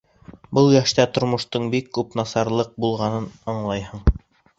Был йәштә тормошта бик күп насарлыҡ булғанын аңлайһың.